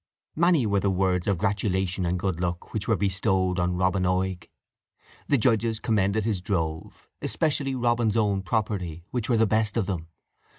Many were the words of gratulation and good luck which were bestowed on Robin Oig. The judges commended his drove, especially Robin's own property, which were the best of them.